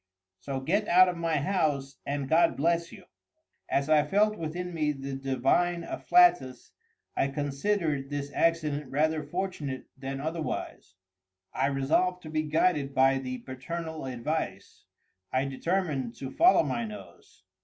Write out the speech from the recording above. ]—"so get out of my house, and God bless you!" As I felt within me the divine afflatus, I considered this accident rather fortunate than otherwise. I resolved to be guided by the paternal advice. I determined to follow my nose.